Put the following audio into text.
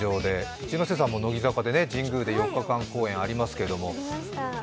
一ノ瀬さんも乃木坂で神宮で４日間公演ありましたけど？